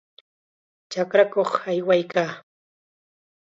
Chakrakuq aywaykaa.